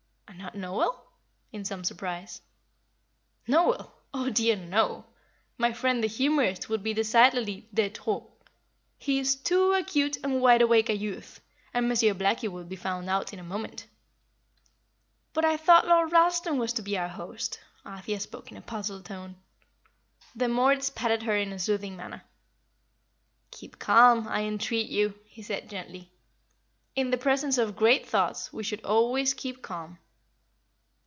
"And not Noel?" in some surprise. "Noel! Oh, dear, no! My friend the humourist would be decidedly de trop. He is too acute and wide awake a youth, and Monsieur Blackie would be found out in a moment." "But I thought Lord Ralston was to be our host!" Althea spoke in a puzzled tone. Then Moritz patted her in a soothing manner. "Keep calm, I entreat you," he said, gently. "In the presence of great thoughts we should always keep calm.